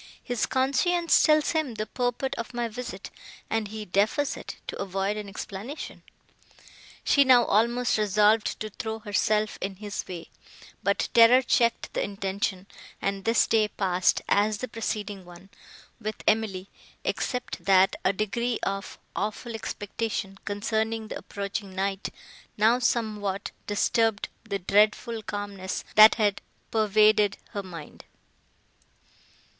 "His conscience tells him the purport of my visit, and he defers it, to avoid an explanation." She now almost resolved to throw herself in his way, but terror checked the intention, and this day passed, as the preceding one, with Emily, except that a degree of awful expectation, concerning the approaching night, now somewhat disturbed the dreadful calmness that had pervaded her mind.